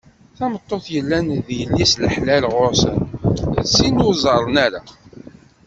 Tameṭṭut yellan d yelli-s n laḥlal ɣur-sen, d tin ur ẓerren ara.